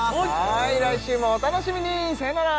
はい来週もお楽しみにさよなら